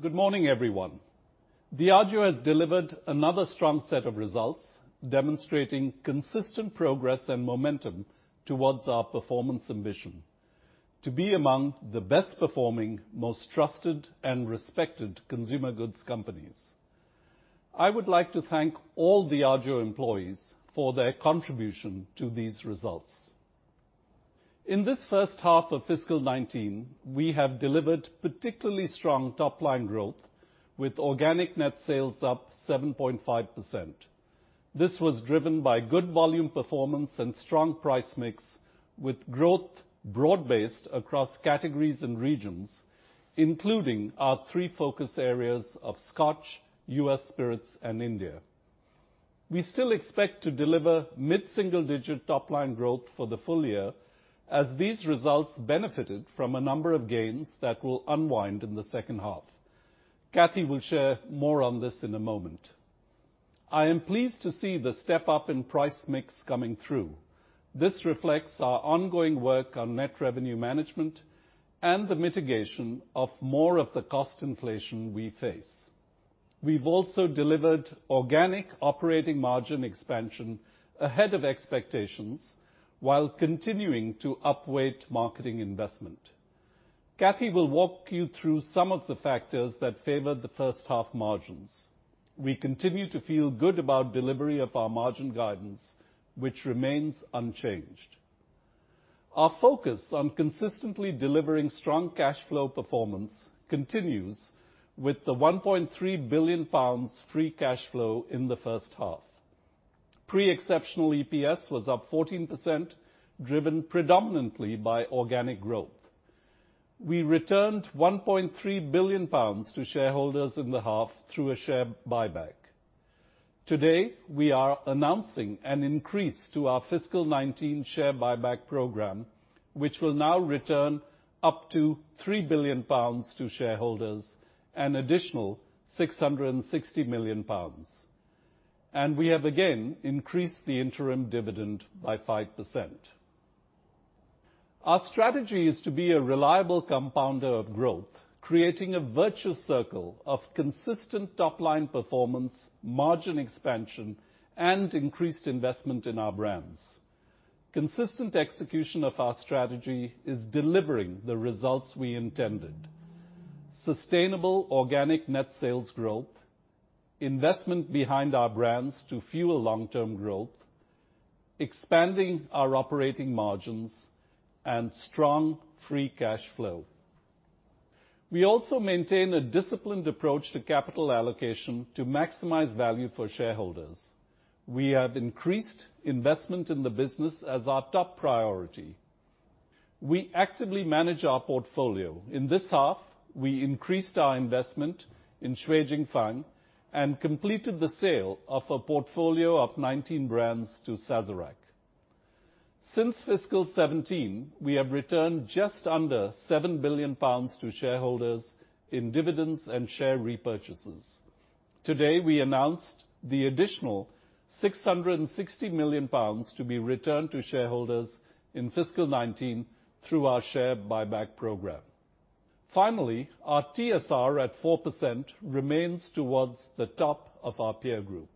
Good morning, everyone. Diageo has delivered another strong set of results, demonstrating consistent progress and momentum towards our performance ambition: to be among the best performing, most trusted, and respected consumer goods companies. I would like to thank all Diageo employees for their contribution to these results. In this first half of fiscal 2019, we have delivered particularly strong top-line growth, with organic net sales up 7.5%. This was driven by good volume performance and strong price mix, with growth broad-based across categories and regions, including our three focus areas of Scotch, U.S. Spirits, and India. We still expect to deliver mid-single digit top-line growth for the full year, as these results benefited from a number of gains that will unwind in the second half. Kathy will share more on this in a moment. I am pleased to see the step-up in price mix coming through. This reflects our ongoing work on net revenue management and the mitigation of more of the cost inflation we face. We've also delivered organic operating margin expansion ahead of expectations, while continuing to up-weight marketing investment. Kathy will walk you through some of the factors that favored the first half margins. We continue to feel good about delivery of our margin guidance, which remains unchanged. Our focus on consistently delivering strong cash flow performance continues with the 1.3 billion pounds free cash flow in the first half. Pre-exceptional EPS was up 14%, driven predominantly by organic growth. We returned 1.3 billion pounds to shareholders in the half through a share buyback. Today, we are announcing an increase to our fiscal 2019 share buyback program, which will now return up to 3 billion pounds to shareholders, an additional 660 million pounds. We have again increased the interim dividend by 5%. Our strategy is to be a reliable compounder of growth, creating a virtuous circle of consistent top-line performance, margin expansion, and increased investment in our brands. Consistent execution of our strategy is delivering the results we intended. Sustainable organic net sales growth, investment behind our brands to fuel long-term growth, expanding our operating margins, and strong free cash flow. We also maintain a disciplined approach to capital allocation to maximize value for shareholders. We have increased investment in the business as our top priority. We actively manage our portfolio. In this half, we increased our investment in Shui Jing Fang and completed the sale of a portfolio of 19 brands to Sazerac. Since fiscal 2017, we have returned just under 7 billion pounds to shareholders in dividends and share repurchases. Today, we announced the additional 660 million pounds to be returned to shareholders in fiscal 2019 through our share buyback program. Finally, our TSR at 4% remains towards the top of our peer group.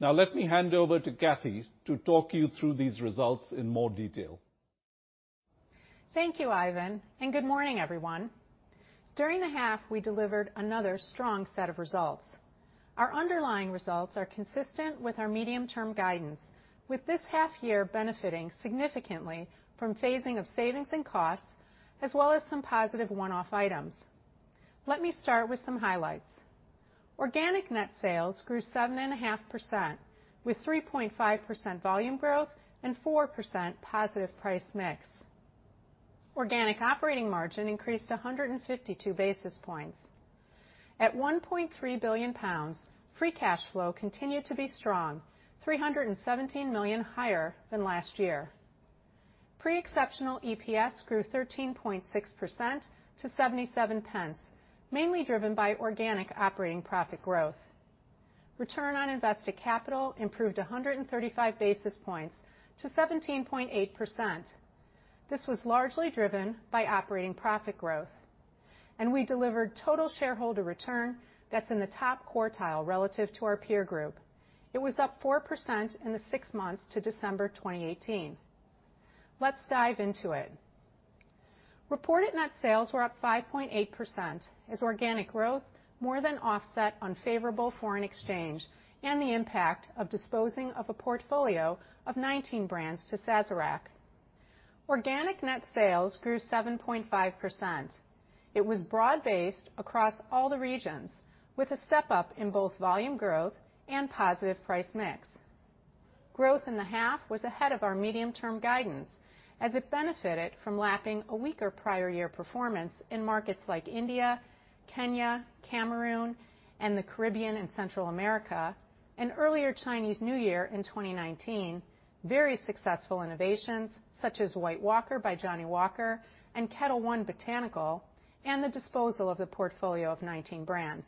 Let me hand over to Kathy to talk you through these results in more detail. Thank you, Ivan. Good morning, everyone. During the half, we delivered another strong set of results. Our underlying results are consistent with our medium-term guidance, with this half year benefiting significantly from phasing of savings and costs, as well as some positive one-off items. Let me start with some highlights. Organic net sales grew 7.5%, with 3.5% volume growth and 4% positive price mix. Organic operating margin increased 152 basis points. At 1.3 billion pounds, free cash flow continued to be strong, 317 million higher than last year. Pre-exceptional EPS grew 13.6% to 0.77, mainly driven by organic operating profit growth. Return on invested capital improved 135 basis points to 17.8%. This was largely driven by operating profit growth. We delivered total shareholder return that's in the top quartile relative to our peer group. It was up 4% in the six months to December 2018. Let's dive into it. Reported net sales were up 5.8% as organic growth more than offset unfavorable foreign exchange and the impact of disposing of a portfolio of 19 brands to Sazerac. Organic net sales grew 7.5%. It was broad-based across all the regions, with a step-up in both volume growth and positive price mix. Growth in the half was ahead of our medium-term guidance, as it benefited from lapping a weaker prior year performance in markets like India, Kenya, Cameroon, and the Caribbean and Central America, an earlier Chinese New Year in 2019, very successful innovations such as White Walker by Johnnie Walker and Ketel One Botanical, and the disposal of the portfolio of 19 brands.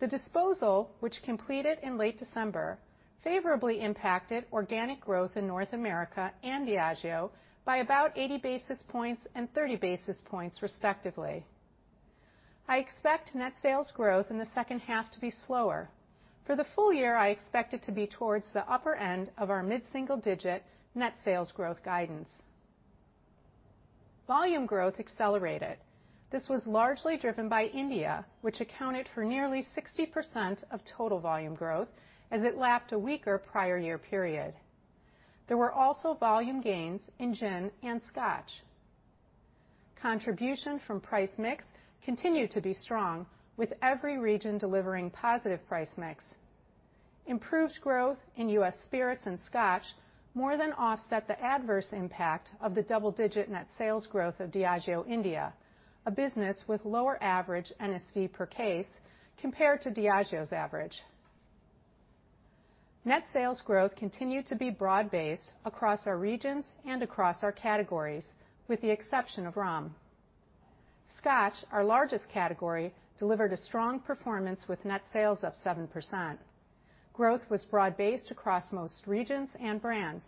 The disposal, which completed in late December, favorably impacted organic growth in North America and Diageo by about 80 basis points and 30 basis points, respectively. I expect net sales growth in the second half to be slower. For the full year, I expect it to be towards the upper end of our mid-single-digit net sales growth guidance. Volume growth accelerated. This was largely driven by India, which accounted for nearly 60% of total volume growth as it lapped a weaker prior year period. There were also volume gains in gin and Scotch. Contribution from price mix continued to be strong, with every region delivering positive price mix. Improved growth in U.S. spirits and Scotch more than offset the adverse impact of the double-digit net sales growth of Diageo India, a business with lower average NSV per case compared to Diageo's average. Net sales growth continued to be broad-based across our regions and across our categories, with the exception of rum. Scotch, our largest category, delivered a strong performance with net sales up 7%. Growth was broad-based across most regions and brands.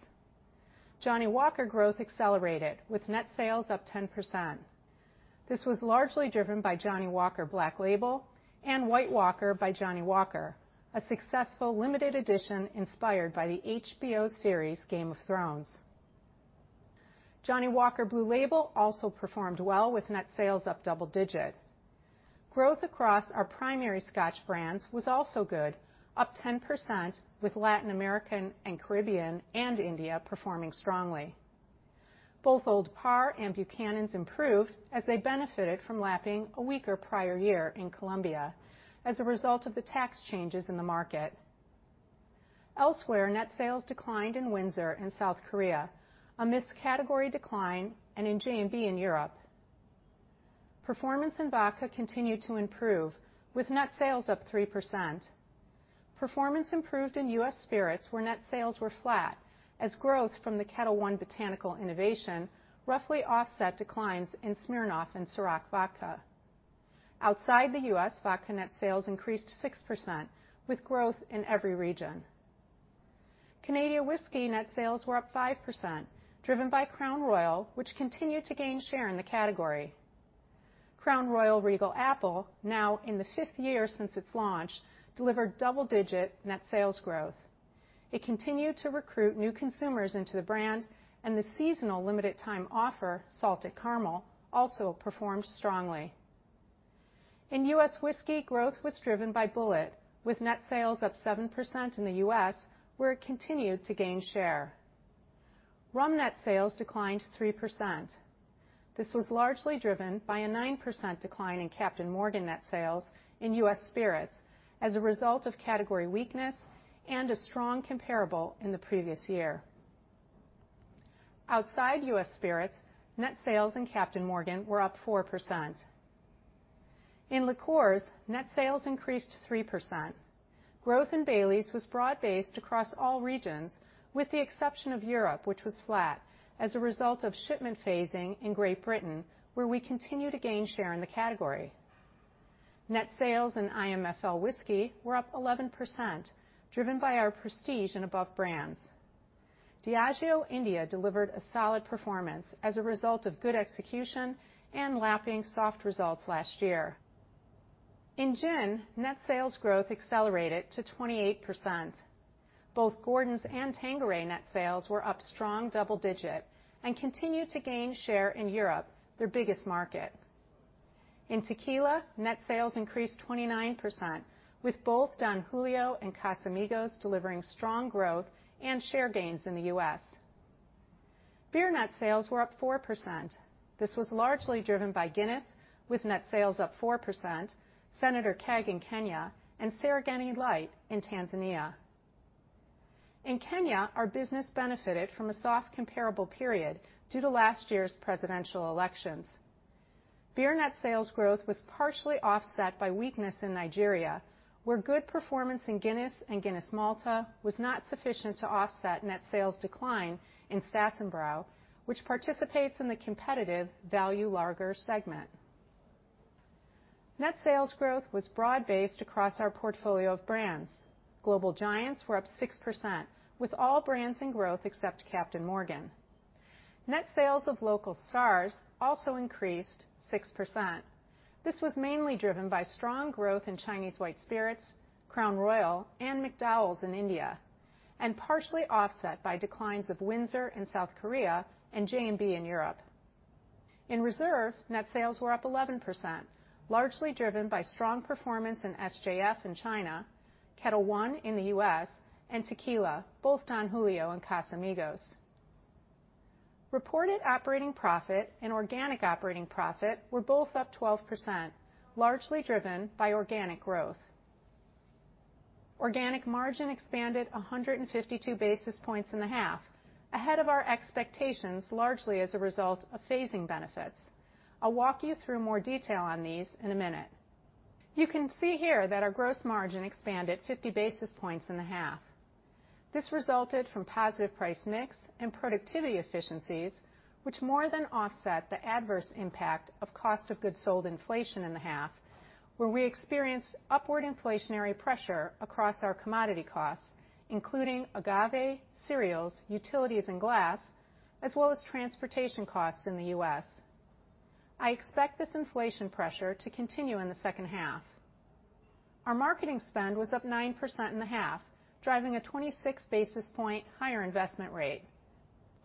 Johnnie Walker growth accelerated with net sales up 10%. This was largely driven by Johnnie Walker Black Label and White Walker by Johnnie Walker, a successful limited edition inspired by the HBO series "Game of Thrones." Johnnie Walker Blue Label also performed well, with net sales up double digit. Growth across our primary Scotch brands was also good, up 10% with Latin American and Caribbean and India performing strongly. Both Old Parr and Buchanan's improved as they benefited from lapping a weaker prior year in Colombia as a result of the tax changes in the market. Elsewhere, net sales declined in Windsor in South Korea, a missed category decline, and in J&B in Europe. Performance in vodka continued to improve, with net sales up 3%. Performance improved in U.S. spirits, where net sales were flat as growth from the Ketel One Botanical innovation roughly offset declines in Smirnoff and CÎROC vodka. Outside the U.S., vodka net sales increased 6% with growth in every region. Canadian whisky net sales were up 5%, driven by Crown Royal, which continued to gain share in the category. Crown Royal Regal Apple, now in the fifth year since its launch, delivered double-digit net sales growth. It continued to recruit new consumers into the brand, and the seasonal limited time offer, Salted Caramel, also performed strongly. In U.S. whiskey, growth was driven by Bulleit, with net sales up 7% in the U.S., where it continued to gain share. Rum net sales declined 3%. This was largely driven by a 9% decline in Captain Morgan net sales in U.S. spirits as a result of category weakness and a strong comparable in the previous year. Outside U.S. spirits, net sales in Captain Morgan were up 4%. In liqueurs, net sales increased 3%. Growth in Baileys was broad-based across all regions with the exception of Europe, which was flat as a result of shipment phasing in Great Britain, where we continue to gain share in the category. Net sales in IMFL whiskey were up 11%, driven by our prestige in above brands. Diageo India delivered a solid performance as a result of good execution and lapping soft results last year. In gin, net sales growth accelerated to 28%. Both Gordon's and Tanqueray net sales were up strong double-digit and continued to gain share in Europe, their biggest market. In tequila, net sales increased 29%, with both Don Julio and Casamigos delivering strong growth and share gains in the U.S. Beer net sales were up 4%. This was largely driven by Guinness, with net sales up 4%, Senator Keg in Kenya, and Serengeti Lite in Tanzania. In Kenya, our business benefited from a soft comparable period due to last year's presidential elections. Beer net sales growth was partially offset by weakness in Nigeria, where good performance in Guinness and Malta Guinness was not sufficient to offset net sales decline in Satzenbrau and Brow, which participates in the competitive value lager segment. Net sales growth was broad-based across our portfolio of brands. Global giants were up 6%, with all brands in growth except Captain Morgan. Net sales of local stars also increased 6%. This was mainly driven by strong growth in Chinese white spirits, Crown Royal, and McDowell's in India, and partially offset by declines of Windsor in South Korea and J&B in Europe. In reserve, net sales were up 11%, largely driven by strong performance in SJF in China, Ketel One in the U.S., and tequila, both Don Julio and Casamigos. Reported operating profit and organic operating profit were both up 12%, largely driven by organic growth. Organic margin expanded 152 basis points in the half, ahead of our expectations, largely as a result of phasing benefits. I'll walk you through more detail on these in a minute. You can see here that our gross margin expanded 50 basis points in the half. This resulted from positive price mix and productivity efficiencies, which more than offset the adverse impact of cost of goods sold inflation in the half, where we experienced upward inflationary pressure across our commodity costs, including agave, cereals, utilities, and glass, as well as transportation costs in the U.S. I expect this inflation pressure to continue in the second half. Our marketing spend was up 9% in the half, driving a 26 basis point higher investment rate.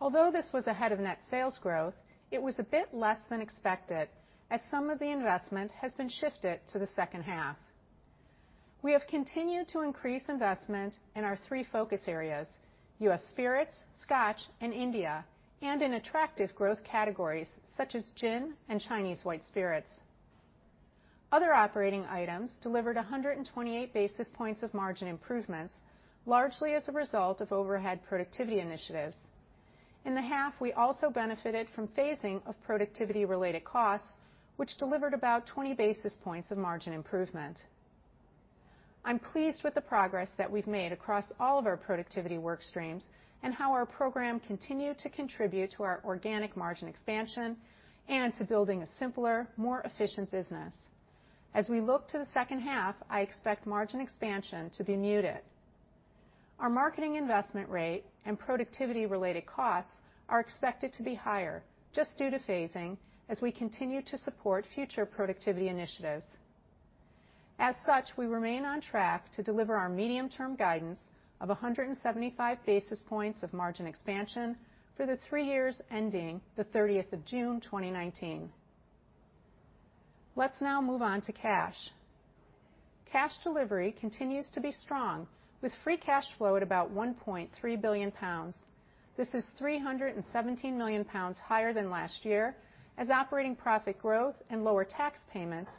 Although this was ahead of net sales growth, it was a bit less than expected, as some of the investment has been shifted to the second half. We have continued to increase investment in our three focus areas, U.S. spirits, Scotch, and India, and in attractive growth categories such as gin and Chinese white spirits. Other operating items delivered 128 basis points of margin improvements, largely as a result of overhead productivity initiatives. In the half, we also benefited from phasing of productivity-related costs, which delivered about 20 basis points of margin improvement. I'm pleased with the progress that we've made across all of our productivity work streams and how our program continued to contribute to our organic margin expansion and to building a simpler, more efficient business. As we look to the second half, I expect margin expansion to be muted. Our marketing investment rate and productivity-related costs are expected to be higher, just due to phasing, as we continue to support future productivity initiatives. As such, we remain on track to deliver our medium-term guidance of 175 basis points of margin expansion for the three years ending the 30th of June 2019. Let's now move on to cash. Cash delivery continues to be strong with free cash flow at about 1.3 billion pounds. This is 317 million pounds higher than last year, as operating profit growth and lower tax payments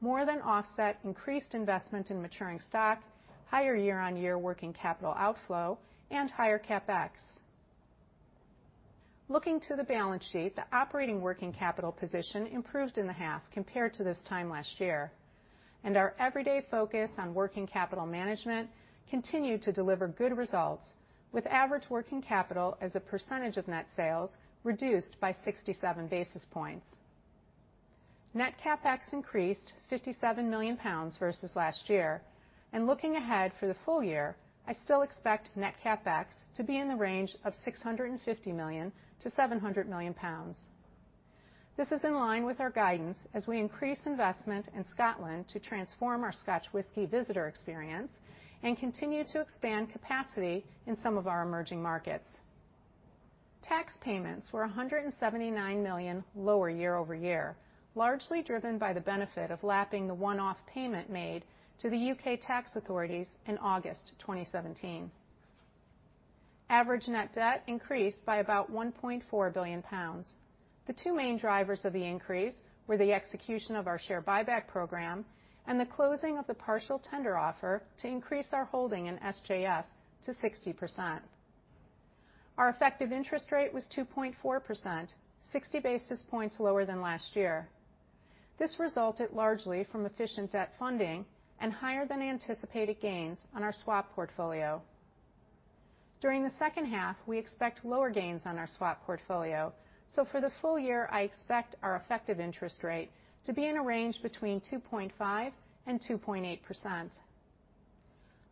more than offset increased investment in maturing stock, higher year-on-year working capital outflow, and higher CapEx. Looking to the balance sheet, the operating working capital position improved in the half compared to this time last year. Our everyday focus on working capital management continued to deliver good results with average working capital as a percentage of net sales reduced by 67 basis points. Net CapEx increased 57 million pounds versus last year. Looking ahead for the full year, I still expect net CapEx to be in the range of 650 million-700 million pounds. This is in line with our guidance as we increase investment in Scotland to transform our Scotch whisky visitor experience and continue to expand capacity in some of our emerging markets. Tax payments were 179 million lower year-over-year, largely driven by the benefit of lapping the one-off payment made to the U.K. tax authorities in August 2017. Average net debt increased by about 1.4 billion pounds. The two main drivers of the increase were the execution of our share buyback program and the closing of the partial tender offer to increase our holding in SJF to 60%. Our effective interest rate was 2.4%, 60 basis points lower than last year. This resulted largely from efficient debt funding and higher than anticipated gains on our swap portfolio. During the second half, we expect lower gains on our swap portfolio. For the full year, I expect our effective interest rate to be in a range between 2.5%-2.8%.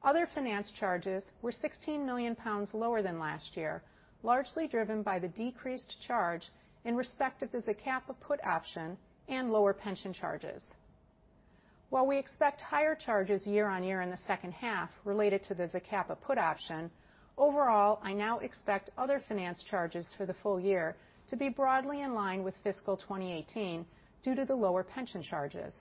Other finance charges were 16 million pounds lower than last year, largely driven by the decreased charge in respect of the Zacapa put option and lower pension charges. While we expect higher charges year-on-year in the second half related to the Zacapa put option, overall, I now expect other finance charges for the full year to be broadly in line with fiscal 2018 due to the lower pension charges.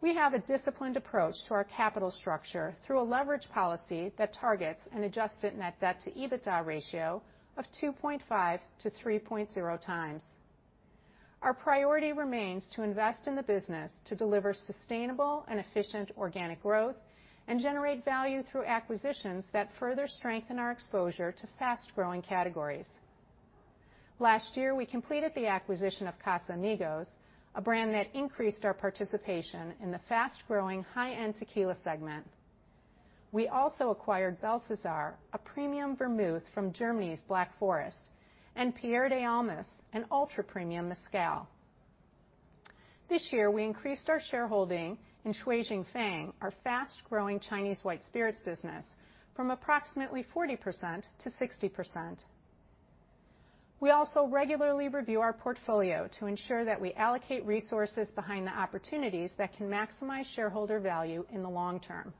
We have a disciplined approach to our capital structure through a leverage policy that targets an adjusted net debt to EBITDA ratio of 2.5-3.0 times. Our priority remains to invest in the business to deliver sustainable and efficient organic growth and generate value through acquisitions that further strengthen our exposure to fast-growing categories. Last year, we completed the acquisition of Casamigos, a brand that increased our participation in the fast-growing high-end tequila segment. We also acquired Belsazar, a premium vermouth from Germany's Black Forest, and Pierde Almas, an ultra-premium mezcal. This year, we increased our shareholding in Shui Jing Fang, our fast-growing Chinese white spirits business, from approximately 40%-60%. We also regularly review our portfolio to ensure that we allocate resources behind the opportunities that can maximize shareholder value in the long term.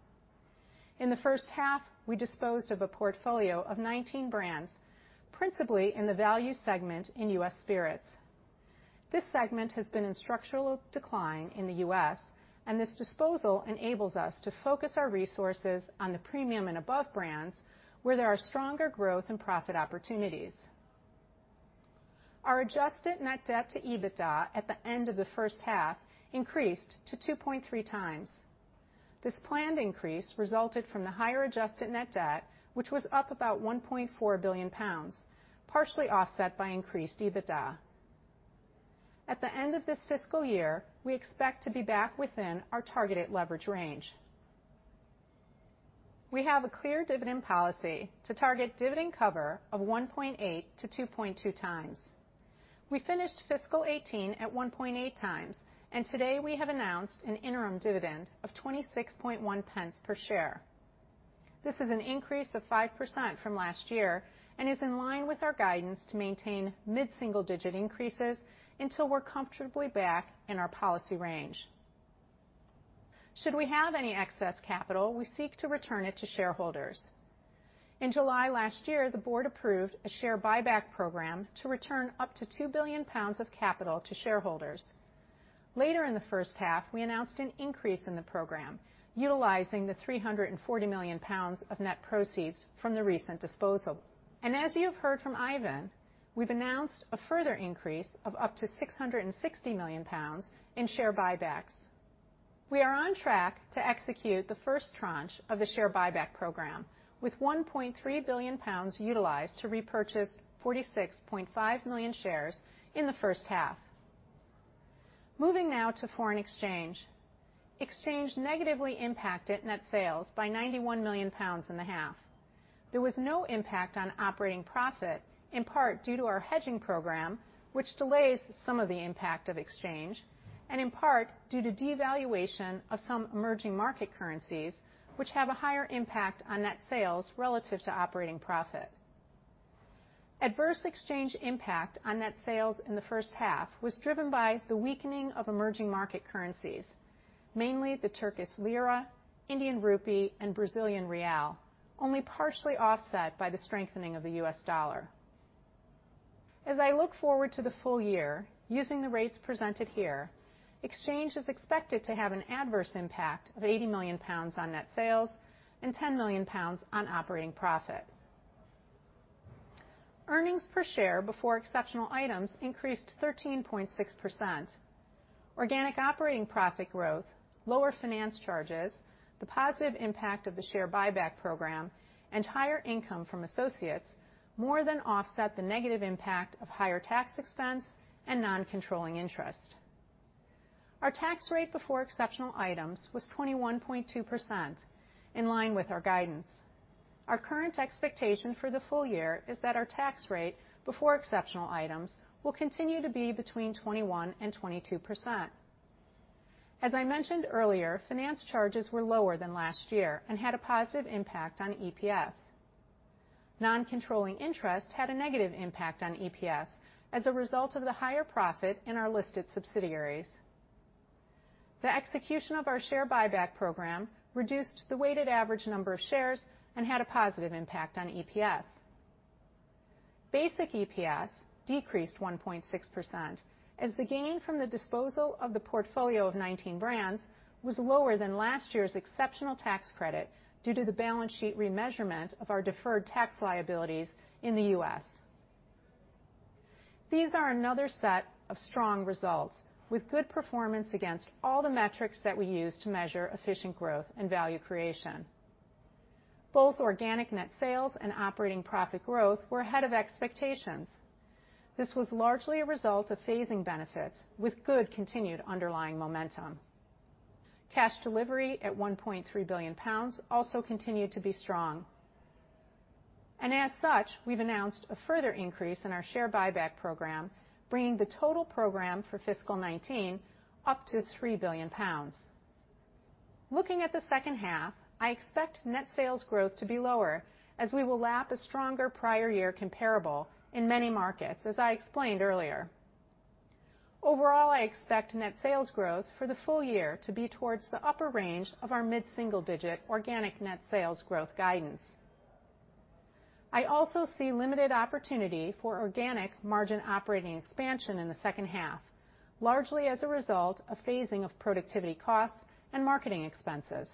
In the first half, we disposed of a portfolio of 19 brands, principally in the value segment in U.S. spirits. This segment has been in structural decline in the U.S., and this disposal enables us to focus our resources on the premium and above brands, where there are stronger growth and profit opportunities. Our adjusted net debt to EBITDA at the end of the first half increased to 2.3 times. This planned increase resulted from the higher adjusted net debt, which was up about 1.4 billion pounds, partially offset by increased EBITDA. At the end of this fiscal year, we expect to be back within our targeted leverage range. We have a clear dividend policy to target dividend cover of 1.8-2.2 times. We finished FY 2018 at 1.8 times, and today we have announced an interim dividend of 0.261 per share. This is an increase of 5% from last year and is in line with our guidance to maintain mid-single-digit increases until we're comfortably back in our policy range. Should we have any excess capital, we seek to return it to shareholders. In July last year, the board approved a share buyback program to return up to 2 billion pounds of capital to shareholders. Later in the first half, we announced an increase in the program utilizing the 340 million pounds of net proceeds from the recent disposal. As you have heard from Ivan, we've announced a further increase of up to 660 million pounds in share buybacks. We are on track to execute the first tranche of the share buyback program with 1.3 billion pounds utilized to repurchase 46.5 million shares in the first half. Moving now to foreign exchange. Exchange negatively impacted net sales by 91 million pounds in the half. There was no impact on operating profit, in part due to our hedging program, which delays some of the impact of exchange, and in part due to devaluation of some emerging market currencies, which have a higher impact on net sales relative to operating profit. Adverse exchange impact on net sales in the first half was driven by the weakening of emerging market currencies, mainly the Turkish lira, Indian rupee, and Brazilian real, only partially offset by the strengthening of the US dollar. As I look forward to the full year, using the rates presented here, exchange is expected to have an adverse impact of 80 million pounds on net sales and 10 million pounds on operating profit. Earnings per share before exceptional items increased 13.6%. Organic operating profit growth, lower finance charges, the positive impact of the share buyback program, and higher income from associates more than offset the negative impact of higher tax expense and non-controlling interest. Our tax rate before exceptional items was 21.2%, in line with our guidance. Our current expectation for the full year is that our tax rate before exceptional items will continue to be between 21% and 22%. As I mentioned earlier, finance charges were lower than last year and had a positive impact on EPS. Non-controlling interest had a negative impact on EPS as a result of the higher profit in our listed subsidiaries. The execution of our share buyback program reduced the weighted average number of shares and had a positive impact on EPS. Basic EPS decreased 1.6% as the gain from the disposal of the portfolio of 19 brands was lower than last year's exceptional tax credit due to the balance sheet remeasurement of our deferred tax liabilities in the U.S. These are another set of strong results, with good performance against all the metrics that we use to measure efficient growth and value creation. Both organic net sales and operating profit growth were ahead of expectations. This was largely a result of phasing benefits with good continued underlying momentum. Cash delivery at 1.3 billion pounds also continued to be strong. As such, we've announced a further increase in our share buyback program, bringing the total program for fiscal 2019 up to 3 billion pounds. Looking at the second half, I expect net sales growth to be lower as we will lap a stronger prior year comparable in many markets, as I explained earlier. Overall, I expect net sales growth for the full year to be towards the upper range of our mid-single digit organic net sales growth guidance. I also see limited opportunity for organic margin operating expansion in the second half, largely as a result of phasing of productivity costs and marketing expenses.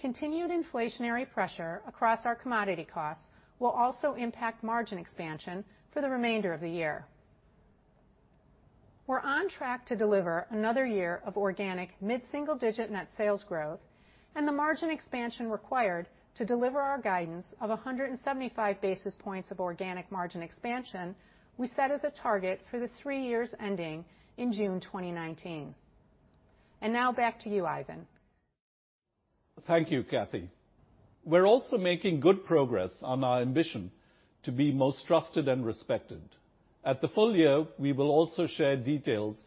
Continued inflationary pressure across our commodity costs will also impact margin expansion for the remainder of the year. We're on track to deliver another year of organic mid-single digit net sales growth and the margin expansion required to deliver our guidance of 175 basis points of organic margin expansion we set as a target for the three years ending in June 2019. Now back to you, Ivan. Thank you, Kathy. We're also making good progress on our ambition to be most trusted and respected. At the full year, we will also share details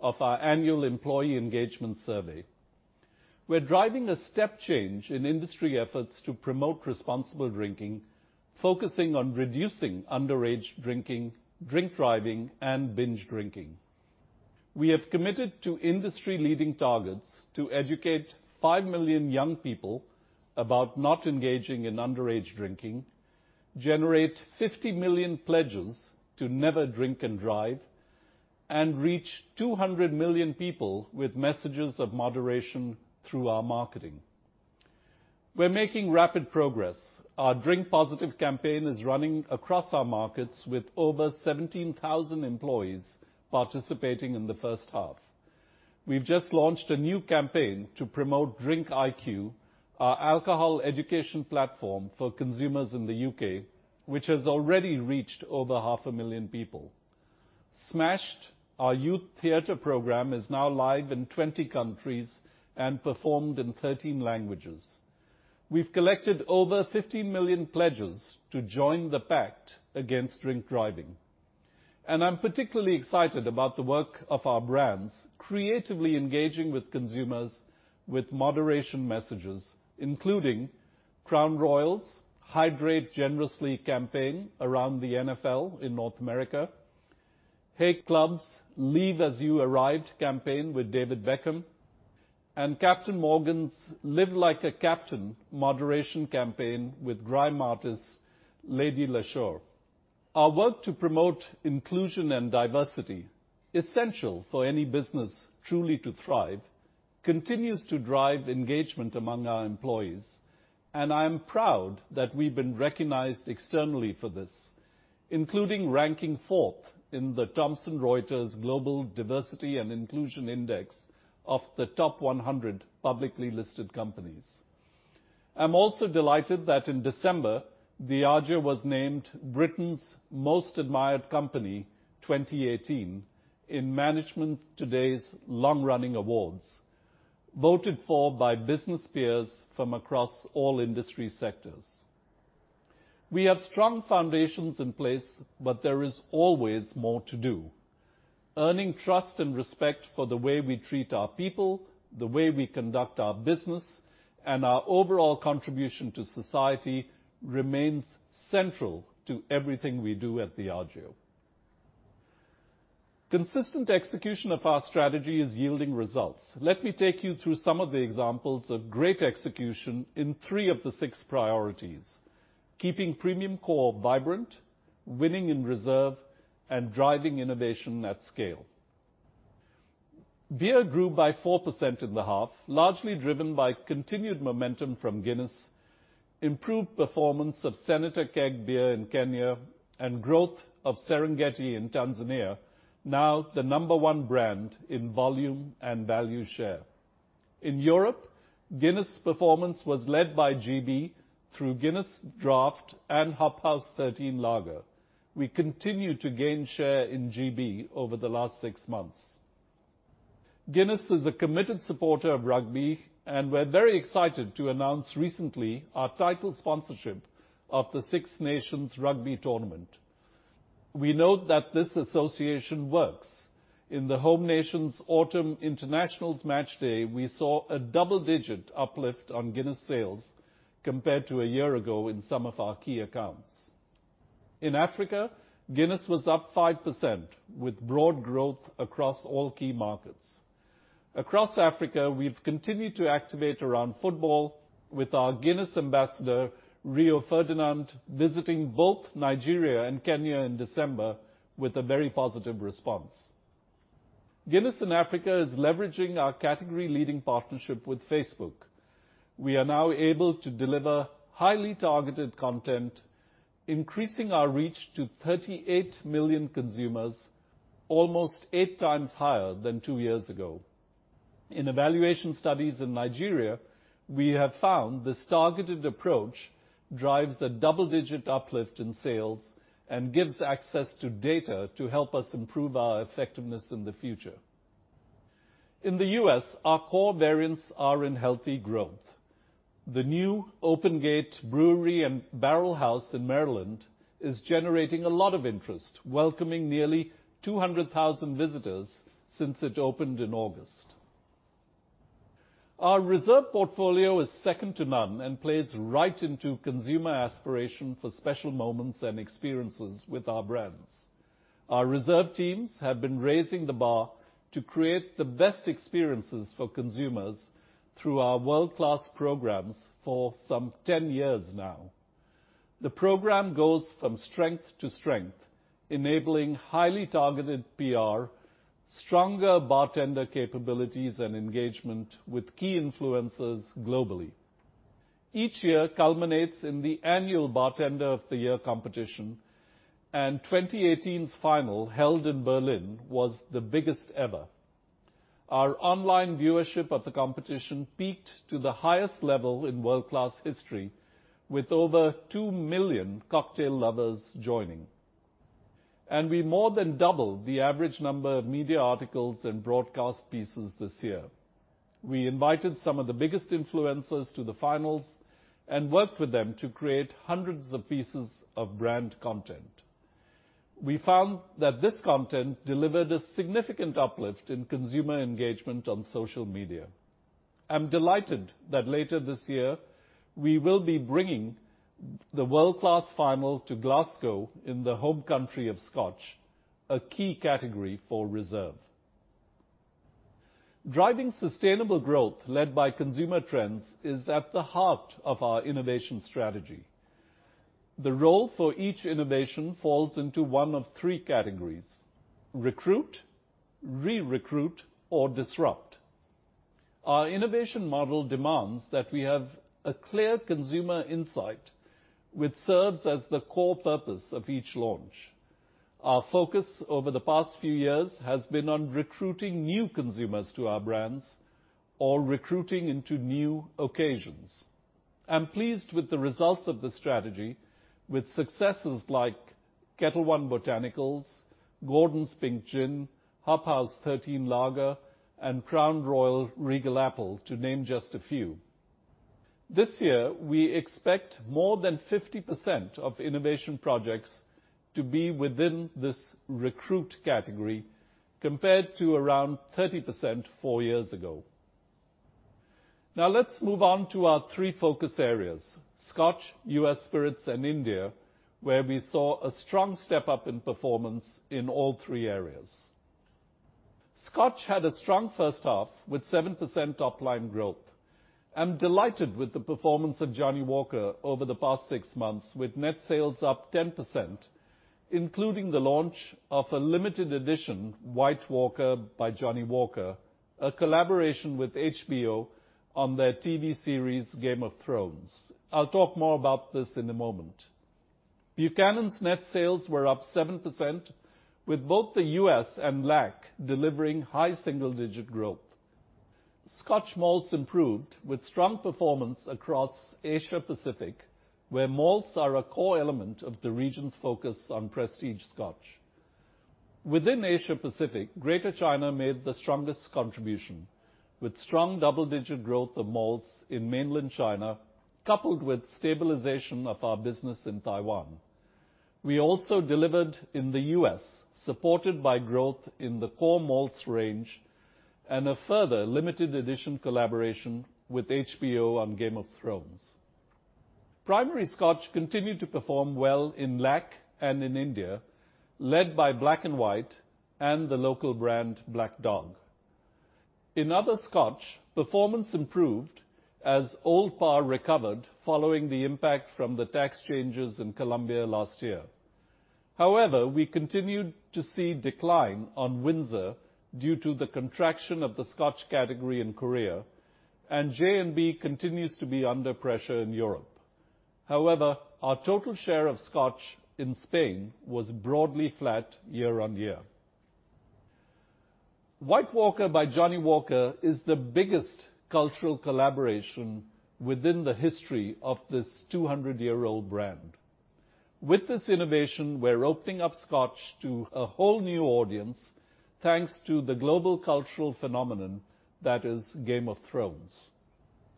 of our annual employee engagement survey. We're driving a step change in industry-leading efforts to promote responsible drinking, focusing on reducing underage drinking, drink driving, and binge drinking. We have committed to industry-leading targets to educate 5 million young people about not engaging in underage drinking, generate 50 million pledges to never drink and drive, and reach 200 million people with messages of moderation through our marketing. We're making rapid progress. Our Drink Positive campaign is running across our markets with over 17,000 employees participating in the first half. We've just launched a new campaign to promote DRINKiQ, our alcohol education platform for consumers in the U.K., which has already reached over half a million people. SMASHED, our youth theater program, is now live in 20 countries and performed in 13 languages. We've collected over 50 million pledges to join the pact against drink driving. I'm particularly excited about the work of our brands creatively engaging with consumers with moderation messages, including Crown Royal's Hydrate Generously campaign around the NFL in North America, Haig Club's Leave as You Arrived campaign with David Beckham, and Captain Morgan's Live Like A Captain moderation campaign with grime artist Lady Leshurr. Our work to promote inclusion and diversity, essential for any business truly to thrive, continues to drive engagement among our employees, and I am proud that we've been recognized externally for this, including ranking fourth in the Thomson Reuters Global Diversity & Inclusion Index of the top 100 publicly listed companies. I'm also delighted that in December, Diageo was named Britain's Most Admired Company 2018 in Management Today's long-running awards, voted for by business peers from across all industry sectors. We have strong foundations in place, but there is always more to do. Earning trust and respect for the way we treat our people, the way we conduct our business, and our overall contribution to society remains central to everything we do at Diageo. Consistent execution of our strategy is yielding results. Let me take you through some of the examples of great execution in three of the six priorities, keeping premium core vibrant, winning in Reserve, and driving innovation at scale. Beer grew by 4% in the half, largely driven by continued momentum from Guinness, improved performance of Senator Keg Beer in Kenya, and growth of Serengeti in Tanzania, now the number one brand in volume and value share. In Europe, Guinness' performance was led by U.K. through Guinness Draught and Hop House 13 Lager. We continued to gain share in U.K. over the last six months. Guinness is a committed supporter of rugby, and we're very excited to announce recently our title sponsorship of the Six Nations Rugby tournament. We know that this association works. In the Home Nations Autumn Internationals match day, we saw a double-digit uplift on Guinness sales compared to a year ago in some of our key accounts. In Africa, Guinness was up 5% with broad growth across all key markets. Across Africa, we've continued to activate around football with our Guinness ambassador, Rio Ferdinand, visiting both Nigeria and Kenya in December with a very positive response. Guinness in Africa is leveraging our category-leading partnership with Facebook. We are now able to deliver highly targeted content, increasing our reach to 38 million consumers, almost eight times higher than two years ago. In evaluation studies in Nigeria, we have found this targeted approach drives a double-digit uplift in sales and gives access to data to help us improve our effectiveness in the future. In the U.S., our core variants are in healthy growth. The new Open Gate Brewery and Barrel House in Maryland is generating a lot of interest, welcoming nearly 200,000 visitors since it opened in August. Our Reserve portfolio is second to none and plays right into consumer aspiration for special moments and experiences with our brands. Our Reserve teams have been raising the bar to create the best experiences for consumers through our World Class programs for some 10 years now. The program goes from strength to strength, enabling highly targeted PR, stronger bartender capabilities, and engagement with key influencers globally. Each year culminates in the annual Bartender of the Year competition, and 2018's final, held in Berlin, was the biggest ever. Our online viewership of the competition peaked to the highest level in World Class history, with over two million cocktail lovers joining. We more than doubled the average number of media articles and broadcast pieces this year. We invited some of the biggest influencers to the finals and worked with them to create hundreds of pieces of brand content. We found that this content delivered a significant uplift in consumer engagement on social media. I'm delighted that later this year, we will be bringing the World Class final to Glasgow in the home country of Scotch, a key category for Reserve. Driving sustainable growth led by consumer trends is at the heart of our innovation strategy. The role for each innovation falls into one of three categories: recruit, re-recruit, or disrupt. Our innovation model demands that we have a clear consumer insight which serves as the core purpose of each launch. Our focus over the past few years has been on recruiting new consumers to our brands or recruiting into new occasions. I'm pleased with the results of the strategy with successes like Ketel One Botanical, Gordon's Premium Pink Gin, Hop House 13 Lager, and Crown Royal Regal Apple, to name just a few. This year, we expect more than 50% of innovation projects to be within this recruit category, compared to around 30% four years ago. Let's move on to our three focus areas, Scotch, U.S. Spirits, and India, where we saw a strong step-up in performance in all three areas. Scotch had a strong first half with 7% top-line growth. I'm delighted with the performance of Johnnie Walker over the past six months, with net sales up 10%, including the launch of a limited edition White Walker by Johnnie Walker, a collaboration with HBO on their TV series "Game of Thrones." I'll talk more about this in a moment. Buchanan's net sales were up 7%, with both the U.S. and LAC delivering high single-digit growth. Scotch malts improved with strong performance across Asia-Pacific, where malts are a core element of the region's focus on prestige Scotch. Within Asia-Pacific, Greater China made the strongest contribution, with strong double-digit growth of malts in mainland China, coupled with stabilization of our business in Taiwan. We also delivered in the U.S., supported by growth in the core malts range and a further limited edition collaboration with HBO on "Game of Thrones." Primary Scotch continued to perform well in LAC and in India, led by Black & White and the local brand Black Dog. In other Scotch, performance improved as Old Parr recovered following the impact from the tax changes in Colombia last year. We continued to see decline on Windsor due to the contraction of the Scotch category in Korea, and J&B continues to be under pressure in Europe. Our total share of Scotch in Spain was broadly flat year-over-year. White Walker by Johnnie Walker is the biggest cultural collaboration within the history of this 200-year-old brand. With this innovation, we're opening up Scotch to a whole new audience, thanks to the global cultural phenomenon that is "Game of Thrones."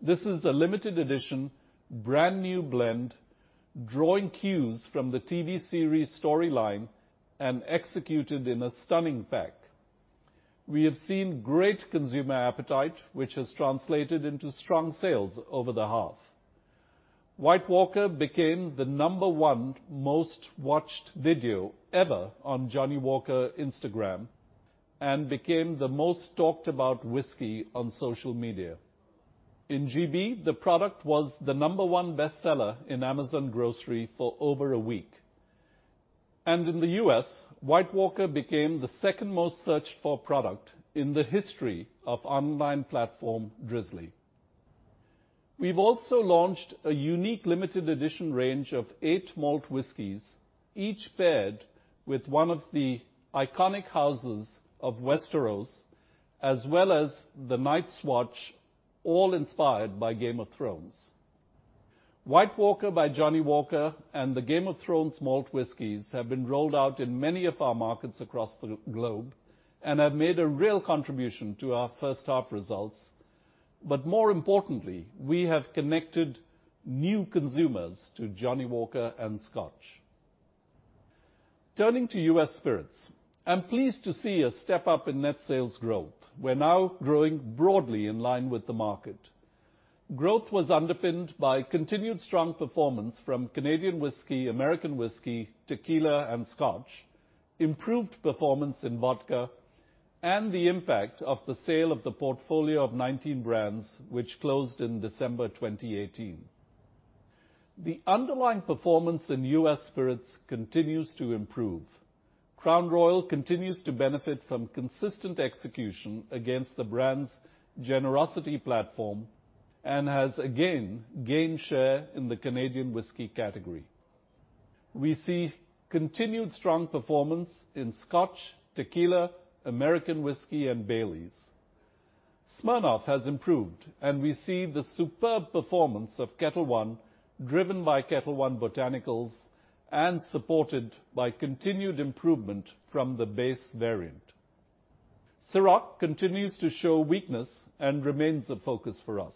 This is a limited edition, brand-new blend, drawing cues from the TV series' storyline and executed in a stunning pack. We have seen great consumer appetite, which has translated into strong sales over the half. White Walker became the number 1 most-watched video ever on Johnnie Walker Instagram and became the most talked about whisky on social media. In the U.K., the product was the number 1 bestseller in Amazon Grocery for over a week, and in the U.S., White Walker became the second most searched for product in the history of online platform Drizly. We've also launched a unique limited edition range of eight malt whiskies, each paired with one of the iconic houses of Westeros, as well as the Night's Watch, all inspired by "Game of Thrones." White Walker by Johnnie Walker and the "Game of Thrones" malt whiskies have been rolled out in many of our markets across the globe and have made a real contribution to our first half results. More importantly, we have connected new consumers to Johnnie Walker and Scotch. Turning to U.S. spirits, I'm pleased to see a step up in net sales growth. We're now growing broadly in line with the market. Growth was underpinned by continued strong performance from Canadian whisky, American whiskey, tequila, and Scotch, improved performance in vodka, and the impact of the sale of the portfolio of 19 brands which closed in December 2018. The underlying performance in U.S. spirits continues to improve. Crown Royal continues to benefit from consistent execution against the brand's generosity platform and has again gained share in the Canadian whisky category. We see continued strong performance in Scotch, tequila, American whiskey, and Baileys. Smirnoff has improved, and we see the superb performance of Ketel One, driven by Ketel One Botanical and supported by continued improvement from the base variant. Cîroc continues to show weakness and remains a focus for us.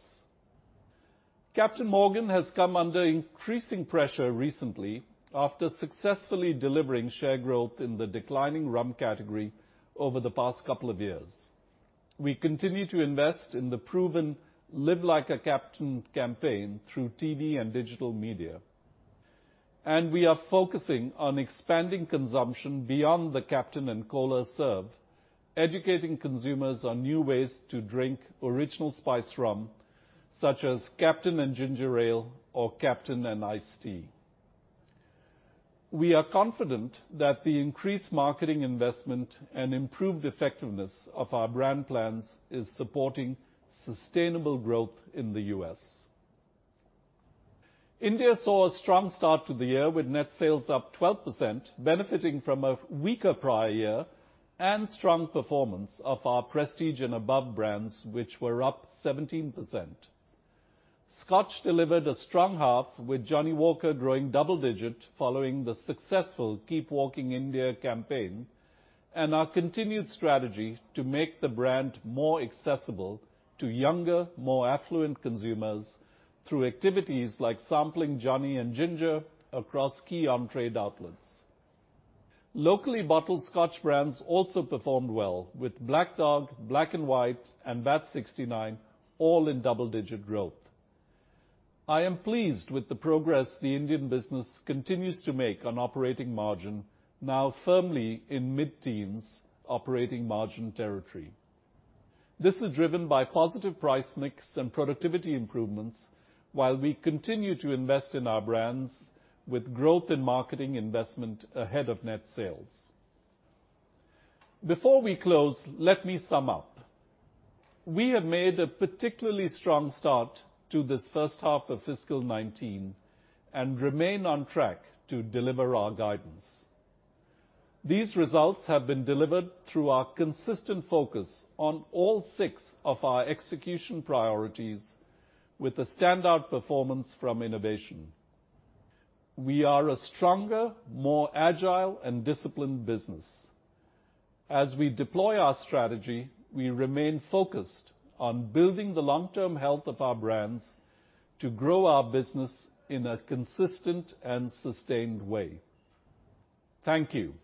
Captain Morgan has come under increasing pressure recently after successfully delivering share growth in the declining rum category over the past couple of years. We continue to invest in the proven Live Like A Captain campaign through TV and digital media. We are focusing on expanding consumption beyond the Captain and Cola serve, educating consumers on new ways to drink original spice rum, such as Captain and ginger ale or Captain and iced tea. We are confident that the increased marketing investment and improved effectiveness of our brand plans is supporting sustainable growth in the U.S. India saw a strong start to the year with net sales up 12%, benefiting from a weaker prior year and strong performance of our prestige and above brands, which were up 17%. Scotch delivered a strong half with Johnnie Walker growing double digit following the successful Keep Walking India campaign, and our continued strategy to make the brand more accessible to younger, more affluent consumers through activities like sampling Johnnie & Ginger across key on-trade outlets. Locally bottled Scotch brands also performed well, with Black Dog, Black & White, and Vat 69 all in double-digit growth. I am pleased with the progress the Indian business continues to make on operating margin, now firmly in mid-teens operating margin territory. This is driven by positive price mix and productivity improvements while we continue to invest in our brands with growth in marketing investment ahead of net sales. Before we close, let me sum up. We have made a particularly strong start to this first half of fiscal 2019 and remain on track to deliver our guidance. These results have been delivered through our consistent focus on all six of our execution priorities with a standout performance from innovation. We are a stronger, more agile, and disciplined business. We deploy our strategy, we remain focused on building the long-term health of our brands to grow our business in a consistent and sustained way. Thank you.